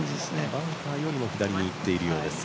バンカーよりも左にいっているようです。